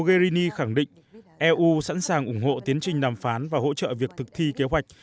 eu sẵn sàng ủng hộ tiến trình đàm phán và hỗ trợ việc thực thi kế hoạch